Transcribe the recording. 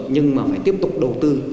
nhưng mà phải tiếp tục đầu tư